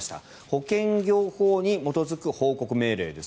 保険業法に基づく報告命令です。